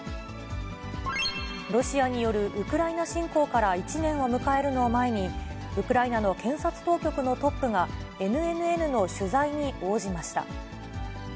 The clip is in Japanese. ロシアによるウクライナ侵攻から１年を迎えるのを前に、ウクライナの検察当局のトップがＮＮＮの取材に応じました。